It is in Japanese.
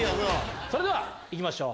それでは行きましょう。